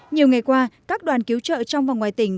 nhiều ngày qua các đoàn cứu trợ trong và ngoài tỉnh